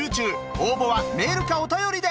応募はメールかお便りで！